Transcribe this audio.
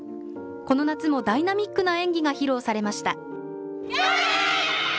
この夏もダイナミックな演技が披露されました。